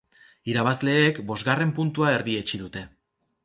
Irabazleek bosgarren puntua erdietsi dute.